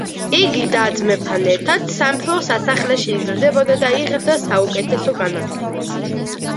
იგი და-ძმებთან ერთად სამეფო სასახლეში იზრდებოდა და იღებდა საუკეთესო განათლებას.